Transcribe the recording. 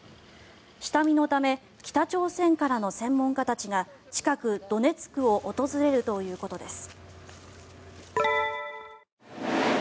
下見のため北朝鮮からの専門家たちが近くドネツクを訪れるということです。